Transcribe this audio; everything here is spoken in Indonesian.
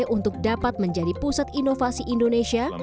untuk dapat menjadi pusat inovasi indonesia